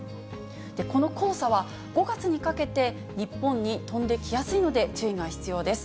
この黄砂は５月にかけて日本に飛んできやすいので、注意が必要です。